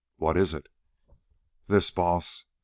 "What is it?" "This, Baas.